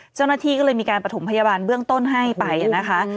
เจ้าหน้าที่ก็เลยมีการประถมพยาบาลเบื้องต้นให้ไปนะคะ